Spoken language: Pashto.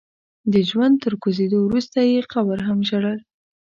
د ژوند تر کوزېدو وروسته يې قبر هم ژړل.